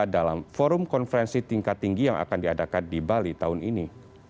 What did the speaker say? dalam forum konferensi tingkat tinggi yang akan diadakan di bali tahun ini